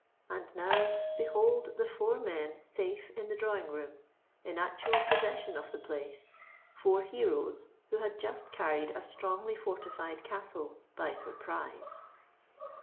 And now, behold the four men safe in the drawing room—in actual possession of the place,—four heroes who had just carried a strongly fortified castle—by surprise!